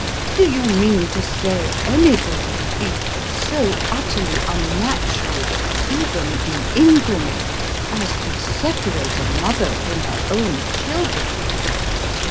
Do you mean to say anybody would be so utterly unnatural, even in England, as to separate a mother from her own children?"